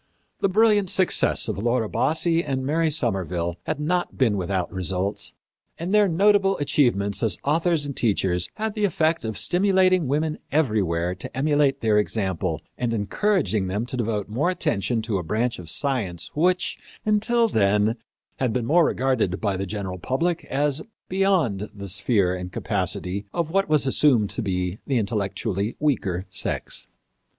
The brilliant success of Laura Bassi and Mary Somerville had not been without results, and their notable achievements as authors and teachers had the effect of stimulating women everywhere to emulate their example, and encouraging them to devote more attention to a branch of science which, until then, had been regarded by the general public as beyond the sphere and capacity of what was assumed to be the intellectually weaker sex.